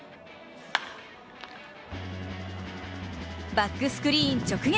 バックスクリーン直撃！